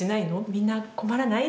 みんな困らない？」